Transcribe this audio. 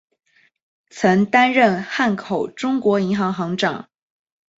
曾担任汉口中国银行行长。